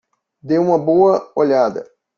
Dê uma boa olhada.